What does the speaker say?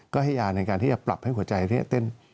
ก็ให้ยาในการที่จะปรับให้หัวใจเต้น